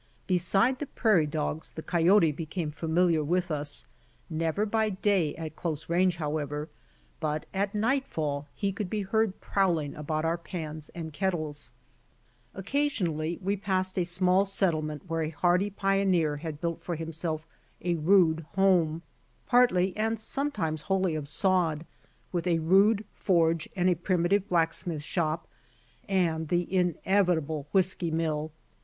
Beside the prairie dogs the coyote became familiar with us, never by day at close range however, but at nightfall he could be heard prowling about our pans and kettles. OUR WHISKEY BARREL. 29 Occasionally we passed a small settlement where a hardy pioneer had built for himself a rude home, partly and sometimes wholly of sod, with a rude forge and a primitive blacksmith shop and the inevitable whiskey mill.